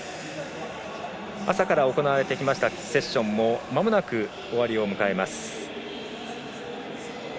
朝から行われてきましたセッションもまもなく終わりを迎えます。